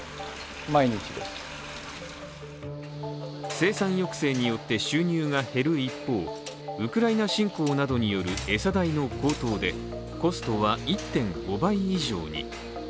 生産抑制によって収入が減る一方、ウクライナ侵攻などによる餌代の高騰でコストは１．５倍以上に。